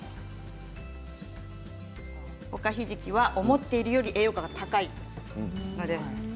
おかひじきは思っているより栄養価が高いんです。